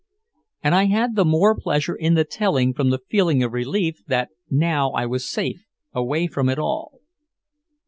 And I had the more pleasure in the telling from the feeling of relief that now I was safe away from it all.